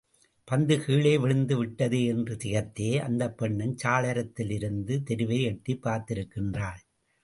பந்து கீழே விழுந்து விட்டதே என்று திகைத்தே அந்தப் பெண்ணும் சாளரத்திலிருந்து தெருவை எட்டிப் பார்த்திருக்கின்றாள்.